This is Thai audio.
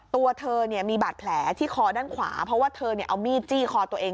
ตัวเธอมีบาดแผลที่คอด้านขวาเพราะว่าเธอเอามีดจี้คอตัวเอง